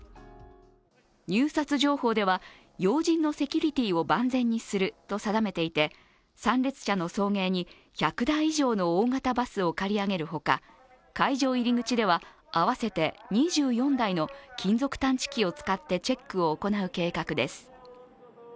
入札情報では、要人のセキュリティーを万全にすると定めていて参列者の送迎に１００台以上の大型バスを借り上げるほか会場入り口では合わせて２４台の金属探知機を使ってチェックを行う計画です。